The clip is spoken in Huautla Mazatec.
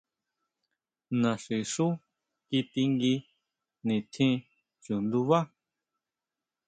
Naxí xú kitingui nitjín chundubá.